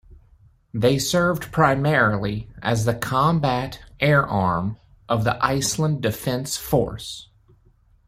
They served primarily as the combat air arm of the Iceland Defense Force.